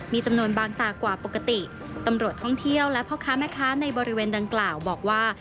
มีจำนวนบางตากว่าปกติตำรวจท่องเที่ยวและพ่อค้าแม่ค้าในบริเวณดังกล่าวบอกว่า